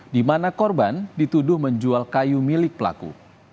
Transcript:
di mana korban dituduh menjual kayu milik pelaku